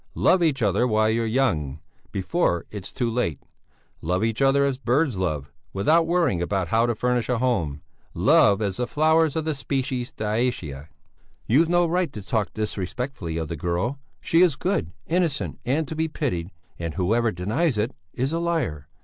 Love each other while you're young, before it's too late; love each other as birds love, without worrying about how to furnish a home; love as the flowers of the species Dioecia." "You've no right to talk disrespectfully of the girl. She is good, innocent, and to be pitied, and whoever denies it is a liar.